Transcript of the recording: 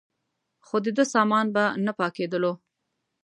خو دده سامان به نه پاکېدلو.